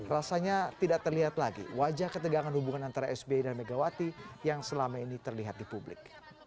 rasanya tidak terlihat lagi wajah ketegangan hubungan antara sbi dan megawati yang selama ini terlihat di publik